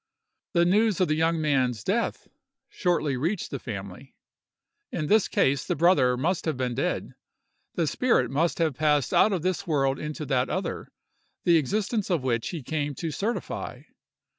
The news of the young man's death shortly reached the family. In this case the brother must have been dead; the spirit must have passed out of this world into that other, the existence of which he came to certify.